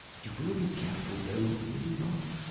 You will be careful, though, will you not?